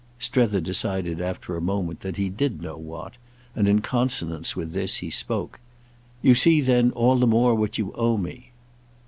Strether decided after a moment that he did know what, and in consonance with this he spoke. "You see then all the more what you owe me."